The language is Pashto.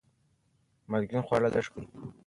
مالګین خواړه لږ کړئ.